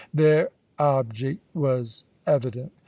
Their object was evident.